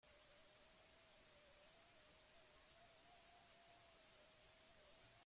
Einbinderrek bere sarrera du Wikipedian.